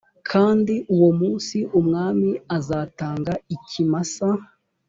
kandi uwo munsi umwami azatanga ikimasa